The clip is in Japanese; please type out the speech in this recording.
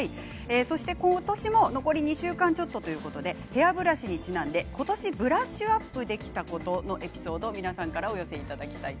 そして今年も残り２週間ちょっとということでヘアブラシにちなんで、今年ブラッシュアップできたことエピソードをお寄せください。